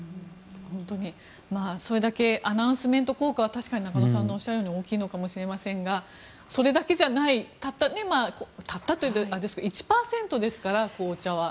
本当にそれだけアナウンスメント効果は確かに中野さんのおっしゃるように大きいのかもしれませんがそれだけじゃない、たったねたったというとあれですが１％ですから、紅茶は。